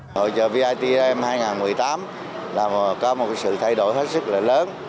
hội trợ vitm hai nghìn một mươi tám có một sự thay đổi rất lớn